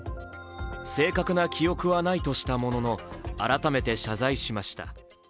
正確な記憶はないとしたものの改めて謝罪しました。